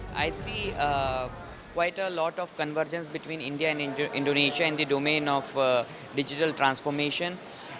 saya melihat banyak konversi antara india dan indonesia dalam domen transformasi digital